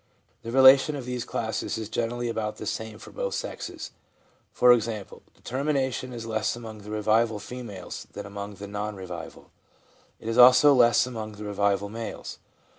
The relation of these classes is generally about the same for both sexes. For example, determination is less among the revival females than among the non revival ; it is also less among the revival males.